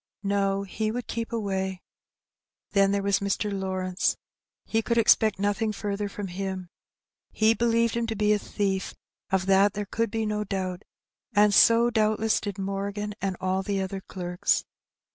No, he would keep away. Then there was Mr. Lawrence; he could expect nothing further from him. He believed him to be a thief, of that there could be no doubt, and so doubtless did Morgan and all the other clerks.